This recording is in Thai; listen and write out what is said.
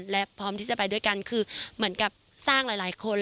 และพร้อมที่จะไปด้วยกันคือเหมือนกับสร้างหลายคน